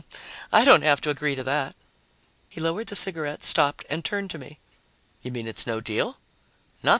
"I don't have to agree to that." He lowered the cigarette, stopped and turned to me. "You mean it's no deal?"